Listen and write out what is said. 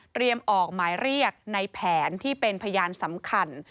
ออกหมายเรียกในแผนที่เป็นพยานสำคัญ